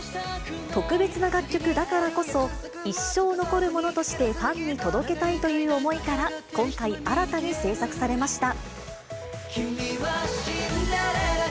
特別な楽曲だからこそ、一生残るものとして、ファンに届けたいという思いから今回、新たに制作されました。